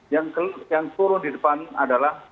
yang turun di depan adalah